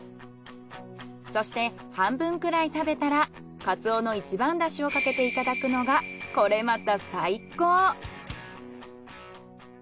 そして半分くらい食べたらカツオの一番出汁をかけていただくのがこれまた最高！